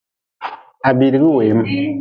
Ha biidigi weem.